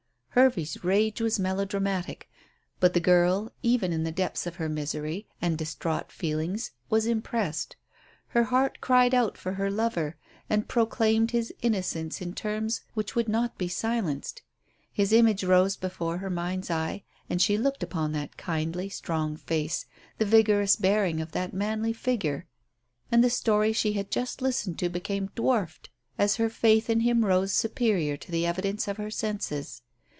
Hervey's rage was melodramatic. But the girl, even in the depths of her misery and distraught feelings, was impressed. Her heart cried out for her lover, and proclaimed his innocence in terms which would not be silenced. His image rose before her mind's eye, and she looked upon that kindly, strong face, the vigorous bearing of that manly figure, and the story she had just listened to became dwarfed as her faith in him rose superior to the evidence of her senses.